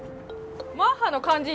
マッハの感じ